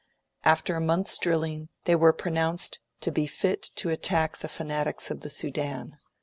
After a month's drilling, they were pronounced to be fit to attack the fanatics of the Sudan.